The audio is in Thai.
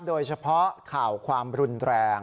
โดยเฉพาะข่าวความรุนแรง